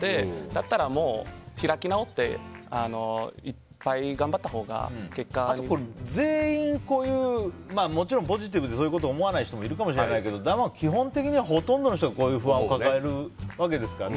だったらもう開き直っていっぱい頑張ったほうが全員、ポジティブでもちろん、そういうことを思わない人もいるかもしれないけど基本的には、ほとんどの人がこういう不安を抱えるわけですから。